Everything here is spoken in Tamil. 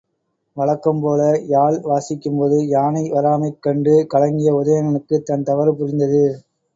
வழக்கம்போல யாழ் வாசிக்கும்போது யானை வராமை கண்டு கலங்கிய உதயணனுக்குத் தன் தவறு புரிந்தது.